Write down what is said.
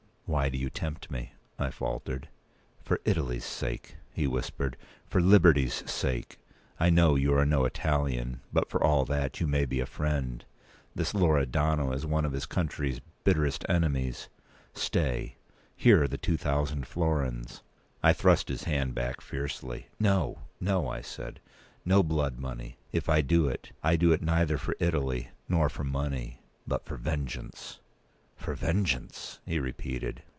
"Why do you tempt me?" I faltered. "For Italy's sake," he whispered; "for liberty's sake. I know you are no Italian; but, for all that, you may be a friend. This Loredano is one of his country's bitterest enemies. Stay, here are the two thousand florins." I thrust his hand back fiercely. "No—no," I said. "No blood money. If I do it, I do it neither for Italy nor for money; but for vengeance." "For vengeance!" he repeated.